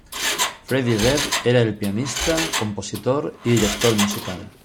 Freddie Redd era el pianista, compositor y director musical.